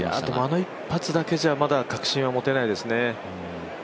あの一発だけじゃまだ確信は持てないですね。